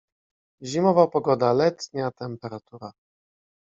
Zimowa pogoda - letnia temperatura